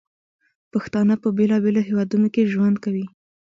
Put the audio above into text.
پښتانه په بیلابیلو هیوادونو کې ژوند کوي.